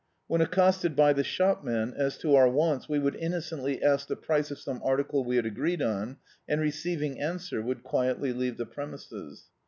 When accosted by the shopman as to our wants we would innocently ask the price of some article we had agreed on, and re ceiving answer, would quietly leave the premises.